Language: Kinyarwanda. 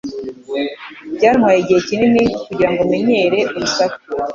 Byantwaye igihe kinini kugirango menyere urusaku.